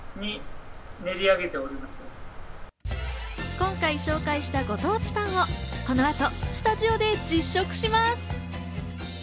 今回紹介したご当地パンをこの後スタジオで実食します。